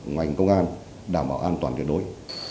ngoài công an đảm bảo an toàn tuyệt đối